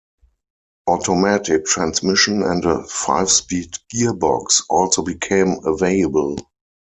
Automatic transmission and a five-speed gearbox also became available.